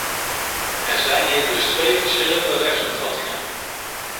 Er zijn hier dus twee verschillende rechtsopvattingen.